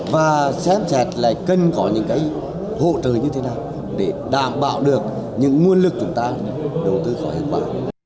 và xem chặt là cần có những hộ trợ như thế nào để đảm bảo được những nguồn lực chúng ta đầu tư khỏi hiệu quả